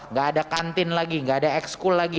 enggak ada kantin lagi enggak ada ekskul lagi